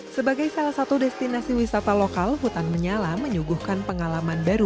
sebagai salah satu destinasi wisata lokal hutan menyala menyuguhkan pengalaman baru